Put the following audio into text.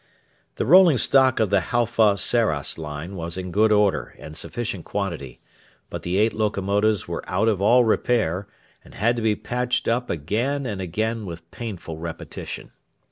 The rolling stock of the Halfa Sarras line was in good order and sufficient quantity, but the eight locomotives were out of all repair, and had to be patched up again and again with painful repetition.